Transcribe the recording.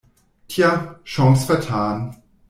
Tja, Chance vertan!